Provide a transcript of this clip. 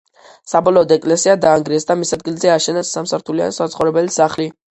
საბოლოოდ ეკლესია დაანგრიეს და მის ადგილზე ააშენეს სამსართულიანი საცხოვრებელი სახლი.